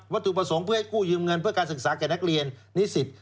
ถูกประสงค์เพื่อให้กู้ยืมเงินเพื่อการศึกษาแก่นักเรียนนิสิต